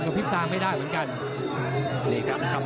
จะพลิกจังไม่ได้เหมือนกัน